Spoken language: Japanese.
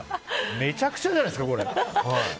めちゃくちゃじゃないですかこれ。